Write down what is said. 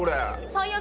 最悪！